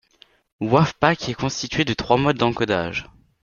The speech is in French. WavPack est constitué de trois modes d'encodages.